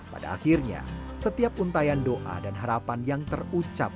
pada akhirnya setiap untayan doa dan harapan yang terucap